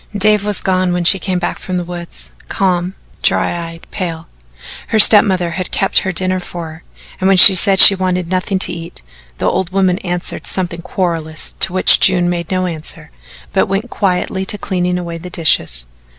Dave was gone when she came back from the woods calm, dry eyed, pale. Her step mother had kept her dinner for her, and when she said she wanted nothing to eat, the old woman answered something querulous to which June made no answer, but went quietly to cleaning away the dishes.